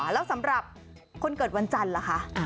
แล้วสำหรับคนเกิดวันจันทร์ล่ะคะ